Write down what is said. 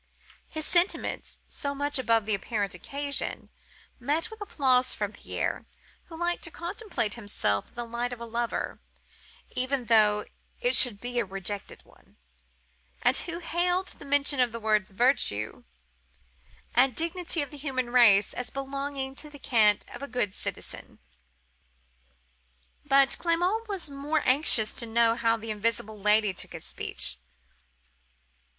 His sentiments (so much above the apparent occasion) met with applause from Pierre, who liked to contemplate himself in the light of a lover, even though it should be a rejected one, and who hailed the mention of the words 'virtues' and 'dignity of the human race' as belonging to the cant of a good citizen. "But Clement was more anxious to know how the invisible Lady took his speech.